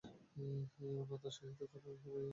অনন্তের সহিত তুলনায় সবই অকিঞ্চিৎকর।